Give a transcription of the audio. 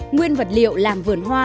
nguyên vật liệu làm vườn hoa